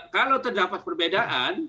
kalau terdapat perbedaan